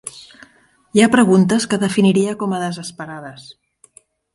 Hi ha preguntes que definiria com a desesperades.